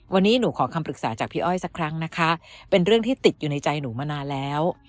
วันนี้หนูขอคำปรึกษาจากพี่อ้อยสักครั้งนะคะเป็นเรื่องที่ติดอยู่ในใจหนูมานานแล้ว